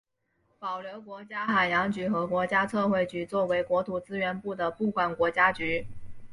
保留国家海洋局和国家测绘局作为国土资源部的部管国家局。